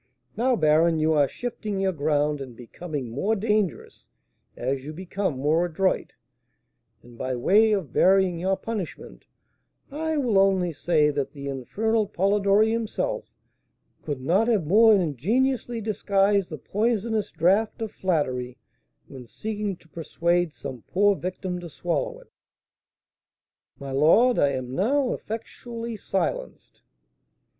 '" "Now, baron, you are shifting your ground, and becoming more dangerous as you become more adroit; and, by way of varying your punishment, I will only say that the infernal Polidori himself could not have more ingeniously disguised the poisonous draught of flattery, when seeking to persuade some poor victim to swallow it." "My lord, I am now effectually silenced."